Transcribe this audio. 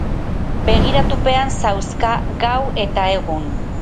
Begiratupean zauzka gau eta egun!